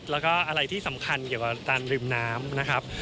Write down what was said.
แล้วก็อะไรที่สำคัญเกี่ยวกับตานริมน้ำ